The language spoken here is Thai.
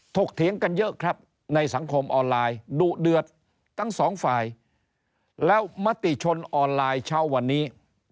เถียงกันเยอะครับในสังคมออนไลน์ดุเดือดทั้งสองฝ่ายแล้วมติชนออนไลน์เช้าวันนี้